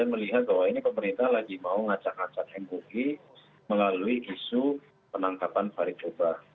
dan melihat bahwa ini pemerintah lagi mau ngacak ngacak yang buki melalui isu penangkapan paritoba